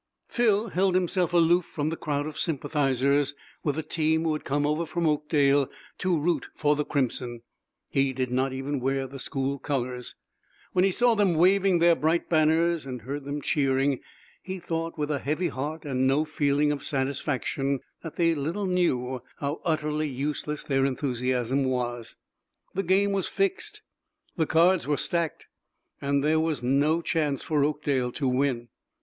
Phil held himself aloof from the crowd of sympathizers with the team who had come over from Oakdale to root for the crimson; he did not even wear the school colors. When he saw them waving their bright banners and heard them cheering he thought, with a heavy heart and no feeling of satisfaction, that they little knew how utterly useless their enthusiasm was. The game was fixed; the cards were stacked, and there was no chance for Oakdale to win.